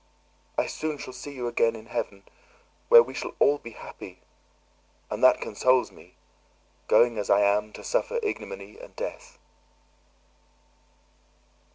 I soon shall see you again in heaven, where we shall all be happy; and that consoles me, going as I am to suffer ignominy and death."